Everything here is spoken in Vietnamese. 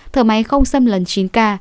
thở máy không xâm lấn chín ca